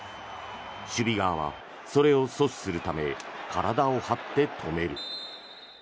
守備側はそれを阻止するため体を張って止める。